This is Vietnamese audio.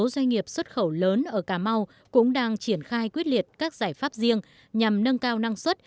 sáu doanh nghiệp xuất khẩu lớn ở cà mau cũng đang triển khai quyết liệt các giải pháp riêng nhằm nâng cao năng suất